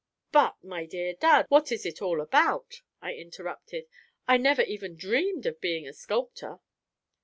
"But, my dear dad, what is it all about?" I interrupted. "I never even dreamed of being a sculptor."